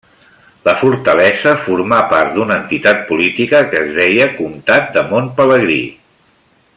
La fortalesa formà part d'una entitat política que es deia Comtat de Mont Pelegrí.